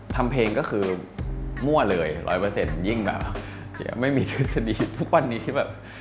ทำเพลงก็คือมั่วเลย๑๐๐ยิ่งแบบไม่มีทฤษฎีทุกวันนี้